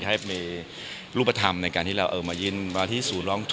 จะให้มีรูปธรรมในการที่เราเอามายินมาที่ศูนย์ร้อง